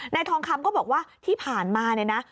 นายทองคำก็บอกว่าที่ผ่านมานะ